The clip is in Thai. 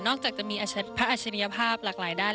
จากจะมีพระอัจฉริยภาพหลากหลายด้าน